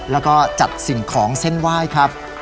แล้วก็จัดสิ่งของเส้นไหว้ครับ